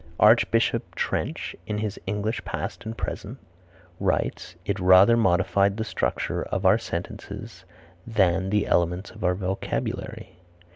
Archbishop Trench in his "English Past and Present" writes, "It rather modified the structure of our sentences than the elements of our vocabulary."